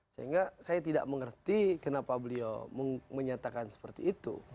sehingga saya tidak mengerti kenapa beliau menyatakan seperti itu